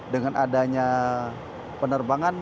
dengan adanya penerbangan